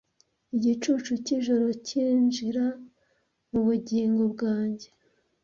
Igicucu cyijoro cyinjira mubugingo bwanjye.